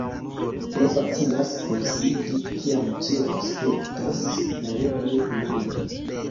Ne facilas kunsidi, kiam ĉio aspektas neeble blue.